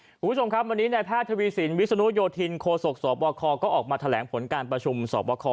คุณผู้ชมครับวันนี้ในแพทย์ทวีสินวิศนุโยธินโคศกสบคก็ออกมาแถลงผลการประชุมสอบคอ